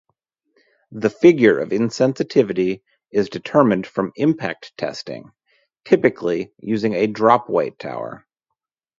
The Figure of Insensitivity is determined from impact testing, typically using a drop-weight tower.